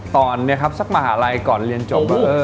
ตอนนี้ครับสักมหาลัยก่อนเรียนจบก็